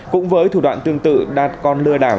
cũng với thủ đoạn tương tự đạt còn lừa đảo